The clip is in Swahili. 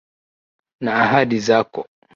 Na ahadi zako.